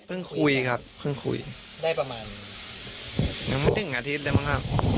คุยครับเพิ่งคุยได้ประมาณยังไม่ถึงอาทิตย์ได้มั้งครับ